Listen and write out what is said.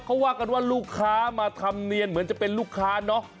เขาว่ากันว่าลูกค้ามาทำเนียนเหมือนจะเป็นลูกค้าเนอะ